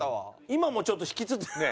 今もちょっと引きつってるね。